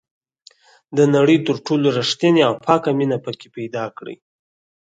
د نړۍ تر ټولو ریښتینې او پاکه مینه پکې پیدا کړئ.